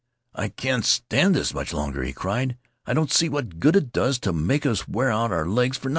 "I can't stand this much longer," he cried. "I don't see what good it does to make us wear out our legs for nothin'."